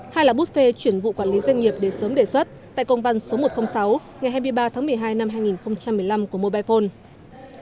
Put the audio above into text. hai là bút phê chuyển vụ quản lý doanh nghiệp để sớm đề xuất tại công văn số một trăm linh sáu ngày hai mươi ba tháng một mươi hai năm hai nghìn một mươi năm của mobile phone